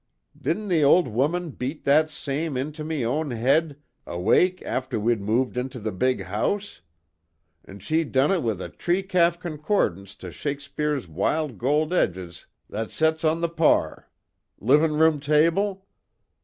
"Didn't the owld woman beat that same into me own head a wake afther we'd moved into the big house? An' she done ut wid a tree calf concoordance to Shakspere wid gold edges thot sets on the par livin' room table?